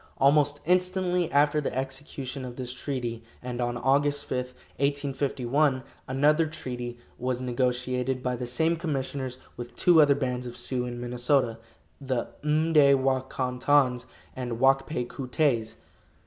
Almost instantly after the execution of this treaty, and on Aug. 5, 1851, another treaty was negotiated by the same commissioners with two other bands of Sioux in Minnesota, the M'day wa kon tons and Wak pay koo tays.